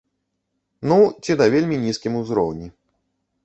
Ну, ці на вельмі нізкім узроўні.